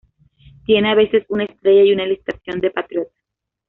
Tiene a veces una estrella y una ilustración de Patriota.